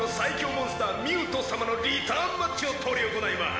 モンスターミュート様のリターンマッチを執り行います！